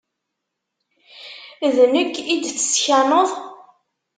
D nekk i d-teskaneḍ?